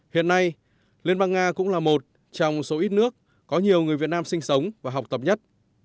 hiện nay liên bang nga cũng là một trong số ít nước có nhiều người việt nam sinh sống và học tập nhất